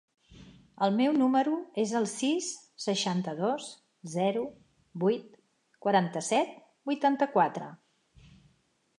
El meu número es el sis, seixanta-dos, zero, vuit, quaranta-set, vuitanta-quatre.